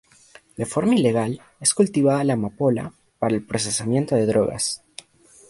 De forma ilegal, es cultivada la amapola, para el procesamiento de drogas.